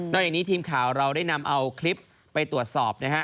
อย่างนี้ทีมข่าวเราได้นำเอาคลิปไปตรวจสอบนะฮะ